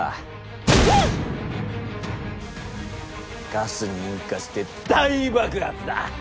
ガスに引火して大爆発だ！